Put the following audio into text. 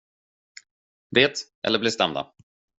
Det eller bli stämda.